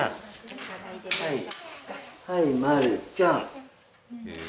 はいマルちゃん。